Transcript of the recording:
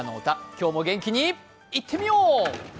今日も元気にいってみよう。